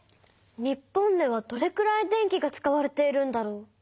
日本ではどれくらい電気が使われているんだろう？